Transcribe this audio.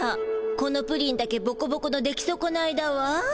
このプリンだけボコボコの出来そこないだわ。